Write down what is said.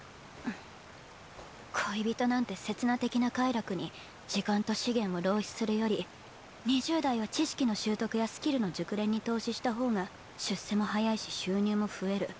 恋人なんて刹那的な快楽に時間と資源を浪費するより２０代は知識の習得やスキルの熟練に投資した方が出世も早いし収入も増える。